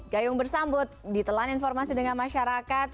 gayung bersambut ditelan informasi dengan masyarakat